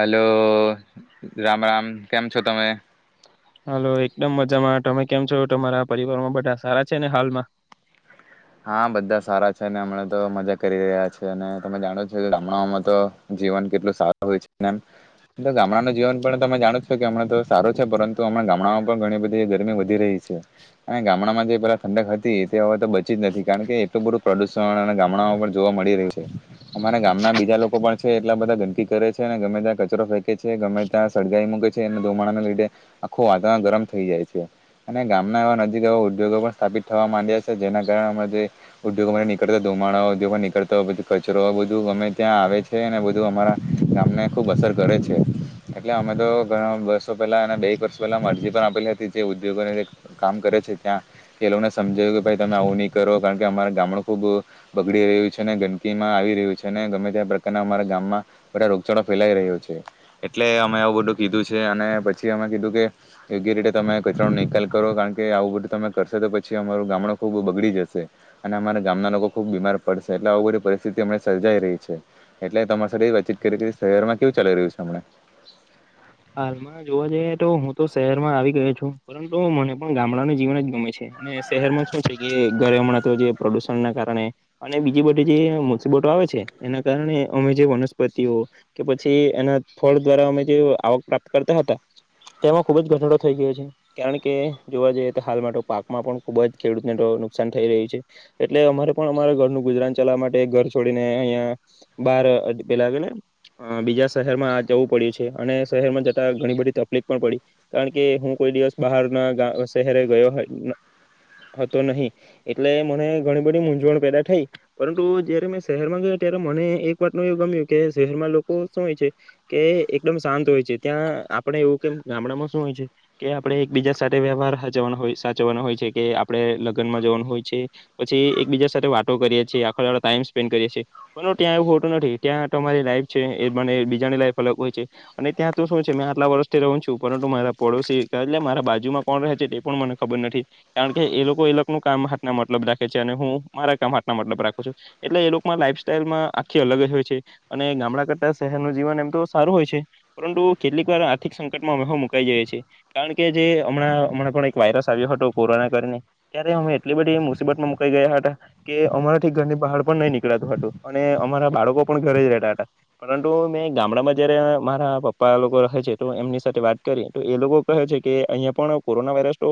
hello Ram Ram કેમ છો તમે હાલો એકદમ મજામાં તમે કેમ છો તમારા પરિવારમાં બધા સારા છે ને હાલમાં હા બધા સારા છે હમણાં તો મજા કરી રહ્યા છે અને તમે જાણો છો કે ગામડાઓમાં તો જીવન કેટલું સારું હોય છે ને એમ ગામડાનું જીવન પણ તમે જાણો છો કે હમણાં તો સારું છે પરંતુ હમણા ગામડામાં પણ ઘણી બધી ગરમી વધી રહી છે અને ગામડામાં જે પેલા ઠંડક હતી તે હવે તો બ કારણ કે એટલું બધું પ્રદૂષણ અને ગામડામાં પણ જોવા મળી રહ્યું છે અમારા ગામના બીજા લોકો પણ છે એટલા બધા ગંદકી કરે છે અને ગમે ત્યાં કચરો ફેંકે છે ગમે ત્યાં સળગાઈ મૂકે છે અને ધુમાડાને લીધે આખું વાતાવરણ ગરમ થઈ જાય છે અને ગામના એવા નજીક એવા ઉદ્યોગો પણ સ્થાપિત થવા માંડ્યા છે જેના અ જે ઉદ્યોગો નીકળતા ધુમાડા ઉદ્યોગ માં નીકળતા હો કચરો બધું અમે ત્યાં આવે છે અને બધું અમારા ગામને ખુબ અસર કરે છે એટલે અમે તો ઘણા વર્ષો પહેલા બે એક વર્ષ પહેલા અરજી પણ આપેલી હતી જે ઉદ્યોગોને કામ કરે છે ત્યાં એ લોકોને સમજ્યું કે આવું નહી કરો કારણ કે અમારા ગામડું ખુબ બગડી રહ્યું છે ને ગંદકીમાં આવી રહ્યું છે ને ગમે ત્યાં પ્રકારના અમારા ગામમાં બધા રોગચાળો ફેલાઈ રહ્યો છે એટલે અમે આવું બધું કીધું છે અને પછી અમે કીધું કે યોગ્ય રીતે તમે કચરાનો નિકાલ કરો કારણ કે આવું બધું તમે કરશ તો પછી અમારું ગામડું ખૂબ બગડી જશે અને અમારા ગામના લોકો ખૂબ બીમાર પડશે એટલે આવુ બધી પરિસ્થિતિ આમના સર્જાઈ રહી છે એટલે તમારા સાથે વાતચીત કરી કે શહેરમાં કેવું ચાલી રહ્યું છે હમણા હાલમાં જોવા જઈ તો હું તો શહેરમાં આવી ગયો છું પરંતુ મને પણ ગામડાનું જીવન જ ગમે છે અને શહેરમાં શું છે કે ઘરે હમણાં તો જે પ્રદુષણને કારણે અને બીજી બધી જે મુસીબતો આવે છે એના કારણે અમે જે વનસ્પતિઓ કે પછી એના ફળ દ્વારા અમે જે આવક પ્રાપ્ત કરતા હતા તેમાં ખુબ જ ઘટાડો થઈ ગયો છે કારણ કે જોવા જઈએ તો હાલ માટે પાકમાં પણ ખુબ જ ખેડૂતને તો નુકસાન થઈ રહ્યું છે એટલે અમારે પણ અમારા ઘરનું ગુજરાન ચલાવા માટે ઘર છોડીને અહિયાં બાર પેલા ને બીજા શહેરમાં જવું પડ્યું છે અને શહેરમાં જતા ઘણી બધી તકલીફ પણ પડી કારણ કે હું કોઈ દિવસ બહાર ના શહેરે ગયો હતો નહીં એટલે મને ઘણી બધી મૂંઝવણ પેદા થઈ પરંતુ જયારે મેં શહેરમાં ગયો ત્યારે મને એક વાત નું એવું ગમ્યું કે શહેરમાં લોકો શું હોય છે કે એકદમ શાંત હોય છે ત્યાં આપણે એવું કે ગામડામાં શું હોય છે કે આપણે એક બીજા સાથે વ્યવહાર હચવાનો હોય સાચવવાના હોય છે કે આપડે લગ્નમાં જવાનું હોય છે પછી એકબીજા સાથે વાતો કરીએ છીએ આખો દાડો ટાઈમ સ્પેન્ડ કરીએ છએ પણ ત્યાં એવું હોટું નથી ત્યાં તમારી લાઈફ છે મને બીજાની લાઈફ અલગ હોય છે અને ત્યાં બીજું શું છે મે આટલા વર્ષથી રહું છું પરંતુ મારા પડોશી એટલે મારા બાજુમાં કોણ રહે છે તે પણ મને ખબર નથી કારણ કે એ લોકો એનું કામ હાથ ના મતલબ રાખે છે અને હું મારા કામ હાથ ના મતલબ રાખું છું એટલે એ લોકો લાઈફ સાઈલમાં આખી અલગ જ હોય છે અને ગામડા કરતા શહેરનું જીવન એમ તો સારું હોય છે પરંતુ કેટલીક વાર આર્થિક સંકટમાં અમે હવ મુકાઈ જઈએ છીએ કારણ કે જે હમણાં હમણાં પણ એક વાયરસ આવ્યો હતો કોરોના કરીને ત્યારે અમે એટલી બધી મુસીબતમાં મુકાઈ ગયા હતા કે અમારાથી ઘરની બહાર પણ નહીં નીકળાતું હતું અને અમારા બાળકો પણ ઘરે જ રહેતા હતા પરંતુ મેં ગામડામાં જ્યારે અ મારા પપ્પા લોકો રહે છે તો એમની સાથે વાત કરી તો એ લોકો કહે છે કે અહિયાં પણ કોરોના વાયરસ તો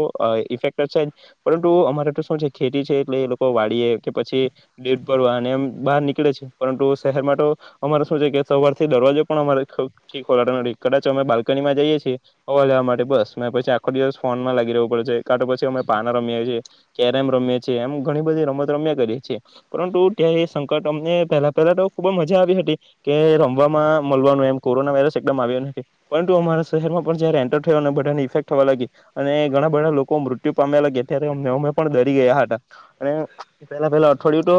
ઇફેક્ટ છે જ પરંતુ અમારે તો શું છે ખેતી છે એટલે એ લોકો વાળીએ કે પછી દેટ ભરવા અને એમ બહાર નીકળે છે પરંતુ શહેરમાં તો અમારે શું છે કે સવારથી દરવાજો પણ અમારે ઠીક હો [unintelligible] કદાચો અમે બાલ્કનીમાં જઈએ છીએ હવા લેવા માટે બસ મે પછી આખો દિવસ ફોનમાં લી રહવ પડે છે કાંતો પછી અમે પાના રમીએ છીએ કેરમ રમીએ છીએ એમ ઘણી બધી રમત રમ્યા કરીએ છેીએ પરંતુ ત્યાં એ સંકટ અમને પહેલા પહેલા તો ખૂબ જ મજા આવી હતી કે રમવામાં મળવાનું એમ કોરોના વાયરસ એકદમ આવ્યો નથી પરંતુ અમારા શહેરમાં પણ જયારે એન્ટર થયો અને બધાની ઇફેક્ટ થવા લાગી અને ઘણા બધા લોકો મૃત્યુ પામ્યા લાગ્યા ત્યારે અમને અમે પણ ડરી ગયા હતા અને પેલા પહેલા અઠવાડિય તો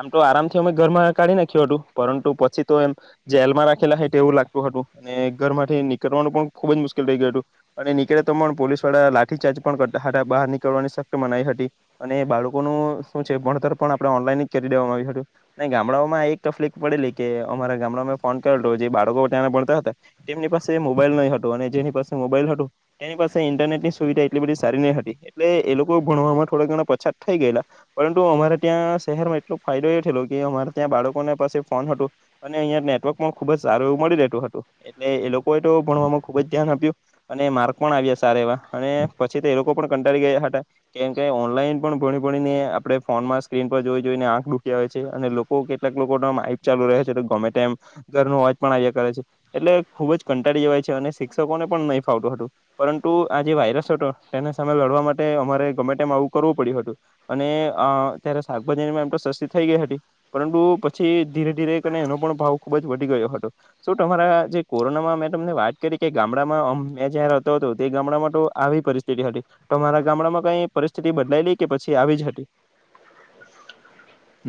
આમ તો આરામથી અમે ઘરમાં કાઢી નાખ્યું હતું પરંતુ પછી તો એમ જેલમાં રાખેલા હોય તેવુ લાગતું અને ઘર માંથી નીકળવાનું પણ ખુબ જ મુશ્કેલ થઈ ગયું હતું અને નીકળે તો પણ પોલીસ વાળા લાઠીચાર્જ પણ કરતા હતા બહાર નીકળવાની શકત મનાઈ હતી અને બાળકોનું શું છે ભણતર પણ આપણે ઓનલાઈન જ કરી દેવામાં આવ્યું હતું અને ગામડાઓમાં એક તકલીફ પડેલી કે અમારા ગામડાઓમાં ફોન કરેલો જે બાળકો ભણતા હતા તેમની પાસે મોબાઈલ નહી હતો અને જેની પાસે મોબાઈલ હતો તેની પાસે ઇન્ટરનેટ ની સુવિધા એટલી બધી સારી નહી હતી એટલે એ લોકો ભણવામાં થોડા ઘણા પછાત થઇ ગયેલા પરંતુ અમારે ત્યાં શહેરમાં એટલો ફાયદો એ થયેલો કે અમારે ત્યાં બાળકોના પાસે ફોન હતોું અને અહીં નેટવર્ક પણ ખુબ જ સારું એ મળી રહે તું હતું એ લોકો તો ભણ ખુબ જ ધ્યાન આપ્યું અને માર્ક પણ આવ્યા સારા એવા અને પછી તો એ લોકો પણ કંટાળી ગયા હતા કેમ કે ઓનલાઈન પણ ભણી ભણીને આપણે ફોનમાં સ્ક્રીન પર જોઈ જોઈને આંખ ડુક્યા હોય છે અને લોકો કેટલાક લોકોના માઇક ચાલુ રહે છે ગમે તેમ ઘર નો અવાજ પણ આવ્યા કરે છે એટલે ખૂબ જ કંટાળી જવાય છે અને શિક્ષકોને પણ નહીં ફાવતું હતું પરંતુ આ જે વાયરસ હતો તેને સામે લડવા માટે અમારે ગમે તેમ આવું કરવું પડ્યું હતું અને અ ત્યારે શાકભાજીમાં એમ તો સસ્તી થઈ ગઈ હતી પરંતુ પછી ધીરે ધીરે એનો પણ ભાવ ખૂબ જ વધી ગયો હતો શું તમારા જે કોરોનામાં મેં તમને વાત કરી કે ગામડામાં મેં જ્યાંતો હતો તે ગામડામાં તો આવી પરિસ્થિતિ હતી તમારા ગામડામાં કઈ પરિસ્થિતિ બદલાઈલી કે પછી આવી જ હતી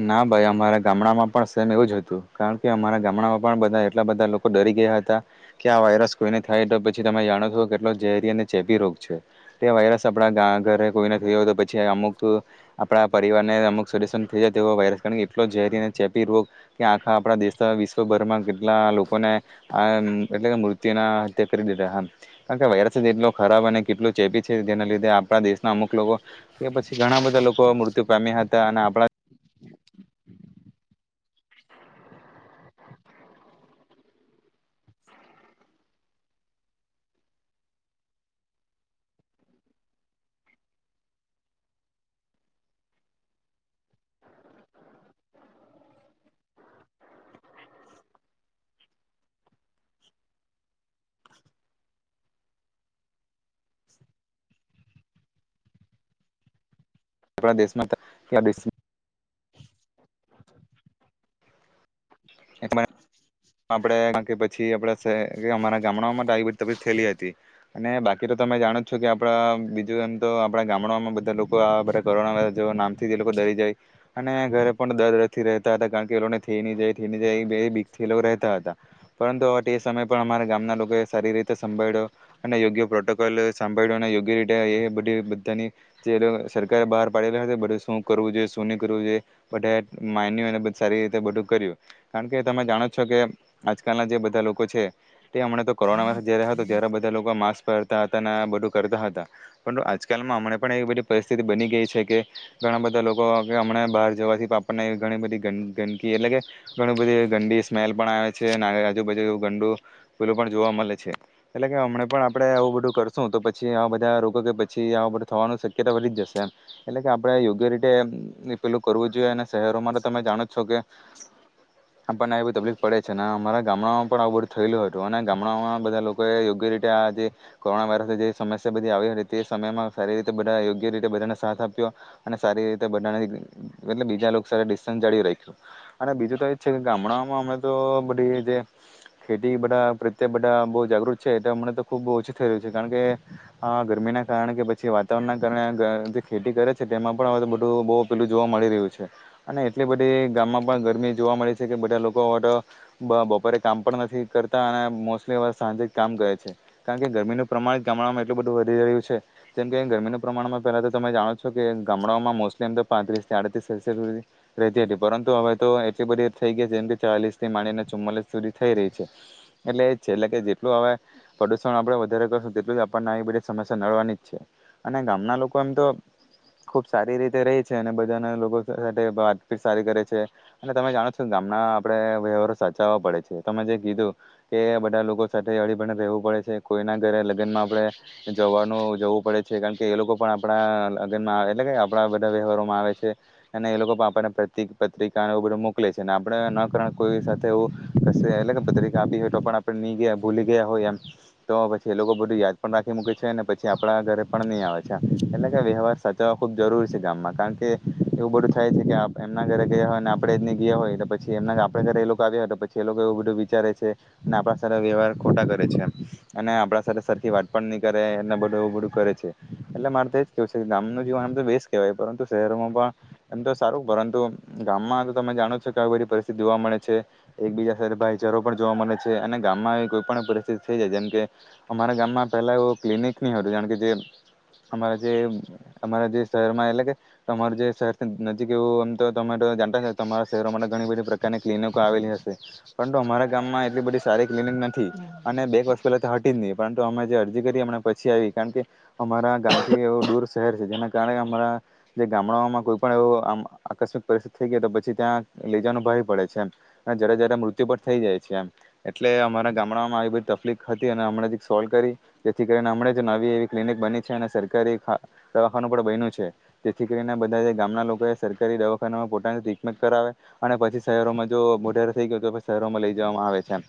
ના ભાઈ અમારા ગામડામાં પણ સેમ એવું જ હતું કારણ કે અમારા ગામડામાં પણ બધા એટલા બધા લોકો ડરી ગયા હતા કે આ વાયરસ કોઈને થાય તો પછી તમે જાણો છો કેટલો ઝેરી અને ચેપી રોગ છે તે વાયરસ આપડા ગા ઘરે કોઈને થયો હોય તો પછી અમુક આપણા પરિવારને અમુક સદસ્ય થઈ જાય તો એવો વાયરસ કારણ કે એટલો ઝેરી અને ચેપી રોગ કે આખા આપણા દેશ વિશ્વભરમાં કેટલા લોકોને આ એટલે કે મૃત્યુના હત્યા કરી દીધા હતા કારણ કે વાયરસ જ એટલો ખરાબ અને કેટલું ચેપી છે જેના લીધે આપણા દેશના અમુક લોકો કે પછી ઘણા બધા લોકો મૃત્યુ પામ્યા હતા અને આપણા આપણા દેશમાં તો [unintelligible] [unintelligible] આપણેે કારણ પછી આપણાહે અમારા ગામડાઓમાં તો આવી બધી તકલીફ થયેલી હતી અને બાકી તો તમે જાણો જ છો કે આપડા બીજું એમ તો આપડા ગામડાઓમાં બધા લોકો બધા કોરોના નામથી લોકો ડરી જાય અને ઘરે પણ દર્દ નથી રહેતા હતા કારણ કે એ લોકોને થઈ ન જાય થઈ જાય એ લોકો રહેતા હતા પરંતુ હવે તે એ સમય પણ અમારા ગામના લોકોએ સારી રીતે સાભાળ્યો અને યોગ્ય પ્રોટોકોલ સાંભાળ્યો અને યોગ્ય રીતે એ બધી બધાની જે સરકારે બહાર પાડેલા બધું શું કરવું જોઈએ શું ની કરવું જોઈએ બધાએ માન્યું અને બધ સારી રીતે બધું કર્યું કારણ કે તમે જાણો છકે આજકાલના જે બધા લોકો છે તે હમણાં તો કોરોના વાયરસ જ્યારે હતો ત્યારે બધા લોકો માસ્ક પહેરતા હતા ને બધું કરતા હતા પરંતુ આજકાલમાં હમણા પણ એવી બધી પરિસ્થિતિ બની ગઈ છે કે ઘણા બધા લોકો કે હમણાં બહાર જવાથી [unintelligible] ઘણી બધી ગંદ ગંદકી એટલે કે ઘણી બધી ગંદી સ્મેલ પણ આવે છે આજુબાજુ ગંડું પેલું પણ જોવા મળે છે એટલે કે હમણા પણ આપડે આવું બધું કરશું તો પછી આવા બધા રોગો કે પછી આ બધું થવાનું શક્યતા વધી જ જશે એમ એટલે કે આપણે યોગ્ય રીતે પેલું કરવું જોઈએ અને શહેરોમાં તો તમે જાણો છો કે આપણને એ બધું તપલીક પડે છે અને અમારા ગામડામાં પણ આવું બધું થયેલું હતું અને ગામડાઓમાં બધા લોકોએ યોગ્ય રીતે આ જે કોરોના વાયરસની જે સમસ્યા બધી આવી હતી તે સમયમાં સારી રીતે બધા યોગ્ય રીતે બધાને સાથ આપ્યો અને સારી રીતે બધાને એટલે બીજા લોકો સારા ડિસ્ટન્સ જાળવી રાખ્યું અને બીજું તો એ જ છે કે ગામડામાં [unintelligible] તો બધી જે ખેતી બધા પ્રત્યે બધા બહુ જાગૃત છે તે અમના તો ખુબ ઓછું થઈ રહ્યું છે કારણ કે ગરમીના કારણે કે પછી વાતાવરણના કારણે જે ખેતી કરે છે તેમાં પણ તો બધું બહુ પેલું જોવા મળી રહ્યું છે અને એટલી બધી ગામમાં પણ ગરમી જોવા મળી છે કે બધા લોકો હવે તો બપોરે કામ પણ નથી કરતા અને મોસ્ટલી હવે સાંજે જ કામ કરે છે કારણ કે ગરમીનું પ્રમાણ ગામડામાં એટલું બધું વધી રહ્યું છે જેમ કે ગરમીનું પ્રમાણમાં પહેલા તો તમે જાણો છો કે ગામડાઓમાં મોસ્ટલી એમ તો પાંત્રીસથી આડત્રીસ સેલ્સયસ સુધી રહેતી હતી પરંતુ હવે તો એટલી બધી થઈ ગઈ જેમ ચાલીસ થી માંડીને ચુમ્માલીસ સુધી થઈ રહી છે એટલે એ જ છે એટલે કે જેટલું હવે પ્રદુષણ આપણે વધારે કરશું તેટલું જ આપણને આવી બધી સમસ્યા નડવાની જ છે અને ગામના લોકો એમ તો ખુબ સારી રીતે રહી છે અને બધાના લોકો સાથે વાતભી સારી કરે છે અને તમે જાણો છો ગામના આપણે વ્યવહારો સાચવવા પડે છે તમે જે કીધું કે બધા લોકો સાથે અળીબણ રહેવું પડે છે કોઈના ઘરે લગ્નમાં આપણે જવાનું જવું પડે છે કારણ કે એ લોકો પણ આપણા લગ્નમાં આવે એટલે કે આપણા બધા વ્યવહારોમાં આવે છે અને એ લોકો પણ આપણને પ્રત પત્રિકાને બધું મોકલે છે અને આપણે ન [unintelligible] એ પત્રિકા આપી હોય તો પણ આપણે નહી ગયા ભૂલી ગયા હોય એમ તો પછી એ લોકો બધું યાદ પણ રાખી મૂકે છે ને પછી આપણા ઘરે પણ નહી આવે છે એટલે કે વ્યવહાર સાચવવા ખુબ જરૂરી છે ગામ માં કારણ કે એવું બધું થાય છે કે એમના ઘરે ગયા હોય ને આપણેે જ નહી ગયા હોય પછી એમના આપે જયારે એ લોકો આવ્યા તો પછી એ લોકો એવું બધું વિચારે છે અને આપણા સાથે વ્યવહાર ખોટા કરે છે અને આપણા સાથે સરખી વાટ પણણ નહીં કરે અને બધું એવું બધું કરે છે એટલે મારે તો એજ કેવું છે ગામ ન જીવન એમ તો બેસ્ટ કહેવાય પરંતુ શહેરોમાં પણ એમ તો સારું પરંતુ ગામમાં તો તમે જાણો છો કે આવી બધી પરિસ્થિત જોવા મળે છે એકબીજા સાથે ભાઈચારો પણ જોવા મળે છે અને ગામમાં કોઈ પણ પરિસ્થિતિ જેમ કે અમારા ગામમાં પેલા એવ ક્લિનિક [unintelligible] જે અમારા જે અમારા જે શહેર માં એટલે કે તમાર જે શહેર છે નજીક એવું એમ તો તમાર [unintelligible] તમારા શહેરો માટે ઘણી બધી પ્ર [unintelligible] ક્લિનિક આવેલી હશે પરંતુ અમારા ગામમાં એટલી બધી સારી ક્લિનિક નથી અને બે વર્ષ પેલા તો હટી જ નહી પણ અમે જે અરજી કરીમ પછી આવી કારણ કે અમારા ગામથી એવ દૂર શહેર છે જેના કારણે અમારા જે ગામડાઓમાં કોઈ પણ એવ આમ આકસ્મિક પરિસ્થિતિ થઈ ગયા તો પછી ત્યાં લેજાનું ભાઈ જરા જરા મૃત્યુ પણ થઈ જાય છે એમ એટલે અમારા ગામડામાં આવી બધી તકલીફ હતી અને હમણાં જ સોલ્વ કરી જેથી કરીને હમ જ નવી એવી ક્લિનિક બની છે અને સરકારી દવાખાનું પણ બન્યું છે જેથી કરીને બધા ગામના લોકોએ સરકારી દવાખાનામાં પોતાની ટ્રીટમેન્ટ કરાવે અને પછી શહેરોમાં જો મોઢેરે થઈ ગયો તો શહેરોમાં લઈ જવામાં આવે છેમ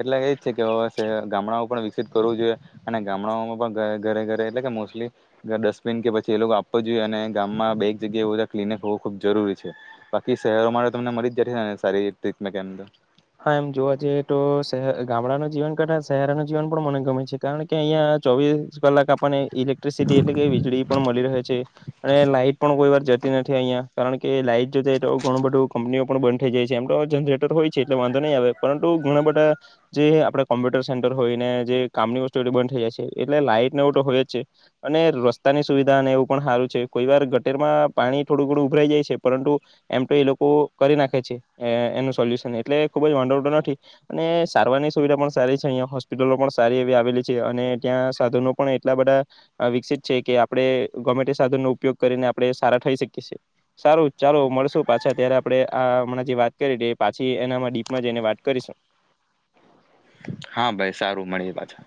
એટલે એ જ છે કેવે ગામડાઓ પણ વિકસિત કરવું જોઈએ અને ગામડાઓમાં પણ ઘરે ઘરે એટલે કે મોસ્ટલી ડસ્ટબિન કે પછી એ લોકો આપવો જોઈએ અને ગામમાં બે એક જગ્યાએ એવું બધા ક્લિનિક હોવું ખૂબ જરૂરી છે બાકી શહેરોમાં તમને મરી સારી ટ્રીટમે કે હા એમ જોવા જઈએ તો ગામડાનું જીવન કરતા શહેરનું જીવન પણ મને ગમે છે કારણ કે અહિયાં ચોવીસ કલાક આપણને ઇલેક્ટ્રિસિટી એટલે કે વીજળી પણ મળી રહે છે અને લાાઈટ પણ કોઈ વાર જતી નથી અહિયાં કારણ કે લાઈટ જોતા તો ઘણું બધું કંપનીઓ પણ બંધ થઈ જાય છે એમ તો જનરેટર હોય એ વાંધો નહી આવે પરુ ઘણા બધા જે આપડ કોમ્પ્યુટર સેન્ટર હોય ને જે કામની વસ્તુ બંધ થઈ જાય છે એટલે લાઈટ એવ તો હોય જ છે અને રસ્તાની સુવિધા એવું પણ સારું છે કોઈ વાર ગટેરમાં પાણી થોડું થડું ઉભરાઈ જાય છે પરંતુ એમ તો એ લોકો કરી નાખે છે એનું સોલ્યુશન એટલે ખુબ જ વાંધો નથી અને સારવારની સુવિધા પણ સારી છે અહિયાં હોસ્પિટલો પણ સારી એવી આવેલી છે અને ત્યાં સાધનો પણ એટલા બધા વિકસિત છે કે આપણે ગવર્મેન્ટ સાધનો ઉપયોગ કરીને આપડણે સારા થઈ શકી છીએ સારું ચાલો મળશું પાછા ત્યારે આપણે આણાં જે વાત કરી પાછી એના ડીપમાં જઈને વાત કરીશું હા ભાઈ સારું મળી પાછા